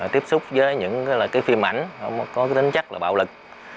tiếp xúc với những cái phim ảnh có tính chất là bạo lực